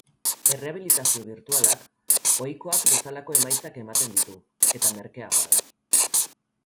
Errehabilitazio birtualak ohikoak bezalako emaitzak ematen ditu, eta merkeagoa da.